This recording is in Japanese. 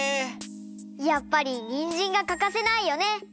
やっぱりにんじんがかかせないよね！